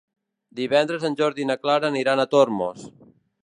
Divendres en Jordi i na Clara aniran a Tormos.